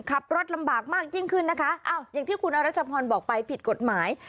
ขับรถลำบากมากยิ่งขึ้นนะคะอ้าวอย่างที่คุณอรัชพรบอกไปผิดกฎหมาย